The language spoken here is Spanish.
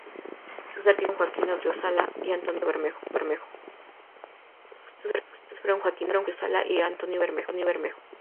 Sus arquitectos fueron Joaquín Odriozola y Antonio Bermejo.